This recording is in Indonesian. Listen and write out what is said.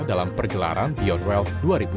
dalam pergelaran biot wealth dua ribu sembilan belas